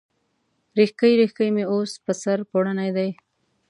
ریښکۍ، ریښکۍ مې اوس، په سر پوړني دی